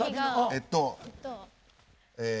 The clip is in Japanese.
えっとえ。